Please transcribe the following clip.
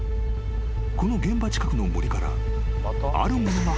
この現場近くの森から］